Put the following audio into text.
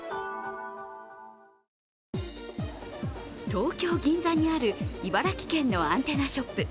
東京・銀座にある茨城県のアンテナショップ。